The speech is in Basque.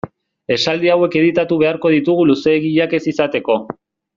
Esaldi hauek editatu beharko ditugu luzeegiak ez izateko.